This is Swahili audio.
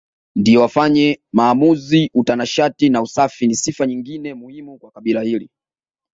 ndio wafanye maamuzi Utanashati na usafi ni sifa nyingine muhimu kwa kabila hili